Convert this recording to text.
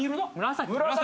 紫！